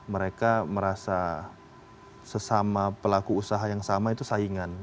mereka merasa sesama pelaku usaha yang sama itu saingan